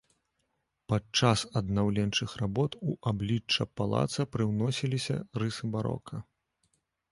Падчас аднаўленчых работ у аблічча палаца прыўносіліся рысы барока.